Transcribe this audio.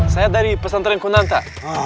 saya dari pesantren kunanta